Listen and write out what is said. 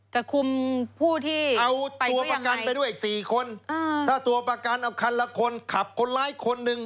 จะคุมผู้ที่เอาตัวประกันไปด้วย๔คนถ้าตัวประกันเอาคันละคนขับคนร้ายคนหนึ่ง